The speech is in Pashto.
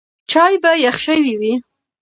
چای به یخ شوی وي.